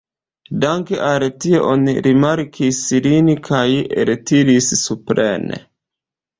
Danke al tio oni rimarkis lin kaj eltiris supren.